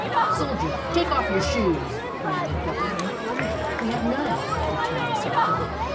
"Soldiers, take off your shoes," commanded Gauvain. "We have none," returned the sergeant.